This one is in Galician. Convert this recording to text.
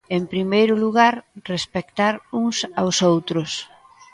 En primeiro lugar, respectar uns aos outros.